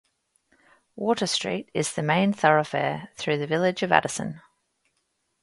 Water Street is the main thoroughfare through the village of Addison.